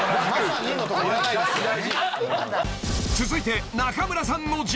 ［続いて］